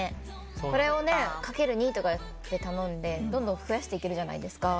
これを、かける２とかで頼んでどんどん増やしていけるじゃないですか。